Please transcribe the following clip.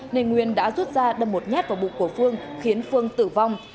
nên nguyên đã rút ra đâm một nhát vào bụng của phương khiến phương tử vong